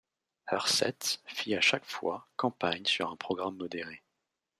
Herseth fit à chaque fois campagne sur un programme modéré.